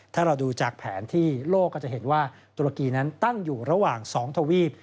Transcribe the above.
ถ้าเราดูจากแผนที่โลกก็จะเห็นว่าตุรกีนั้นตั้งอยู่ระหว่าง๒ทวีป